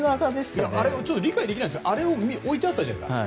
理解できないんですけどあれ置いてあったじゃないですか。